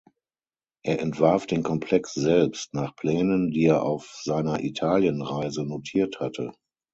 Er entwarf den Komplex selbst nach Plänen, die er auf seiner Italien-Reise notiert hatte.